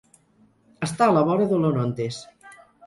Està a la vora de l'Orontes.